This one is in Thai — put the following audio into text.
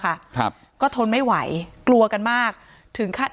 ครับก็ทนไม่ไหวกลัวกันมากถึงขั้น